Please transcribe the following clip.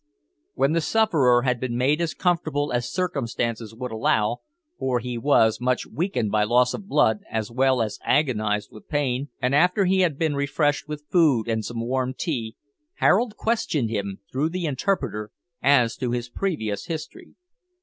When the sufferer had been made as comfortable as circumstances would allow for he was much weakened by loss of blood as well as agonised with pain and after he had been refreshed with food and some warm tea, Harold questioned him, through the interpreter, as to his previous history.